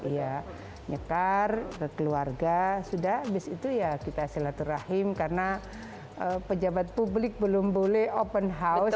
iya nyekar ke keluarga sudah habis itu ya kita silaturahim karena pejabat publik belum boleh open house